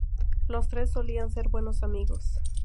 Los tres solían ser buenos amigos.